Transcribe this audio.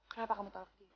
kenapa kamu tolak dia